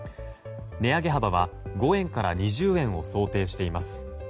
値上げ幅は５円から２０円を想定しています。